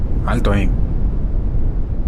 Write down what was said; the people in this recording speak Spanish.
¡ alto ahí!...